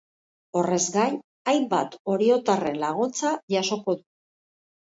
Horrez gain, hainbat oriotarren laguntza jasoko du.